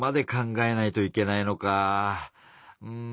「うん」。